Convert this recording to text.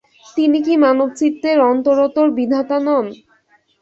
তিনি কি মানবচিত্তের অন্তরতর বিধাতা নন?